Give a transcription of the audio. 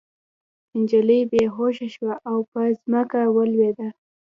نجلۍ بې هوښه شوه او په ځمکه راولوېده